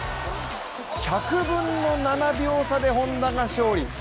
１００分の７秒差で瀬戸が勝利。